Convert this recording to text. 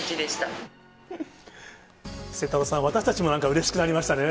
晴太郎さん、私たちもなんかうれしくなりましたね。